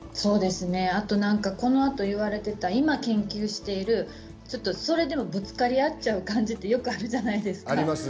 この後、言われていた今研究しているそれでもぶつかり合っちゃう感じってよくあるじゃないですか。